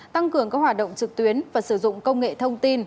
tăng cường các hoạt động trực tuyến và sử dụng công nghệ thông tin